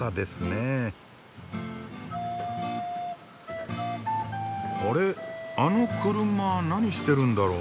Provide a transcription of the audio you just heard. あの車何してるんだろう？